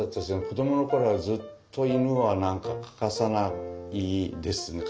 子どもの頃はずっと犬は何か欠かさないですね。